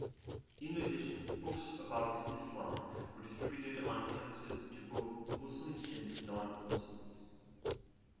In addition, books about Islam were distributed on campuses to both Muslims and non-Muslims.